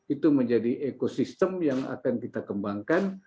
itu menjadi ekosistem yang akan kita kembangkan